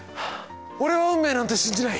俺は運命なんて信じない。